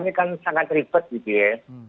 ini kan sangat ribet gitu ya